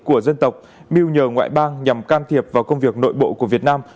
của dân tộc miêu nhờ ngoại bang nhằm can thiệp vào công việc nội bộ của việt nam